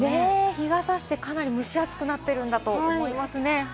日が射して、かなり蒸し暑くなっているんだと思いますね。